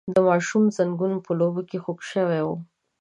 د ماشوم زنګون په لوبو کې خوږ شوی و.